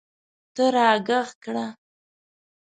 ته راږغ کړه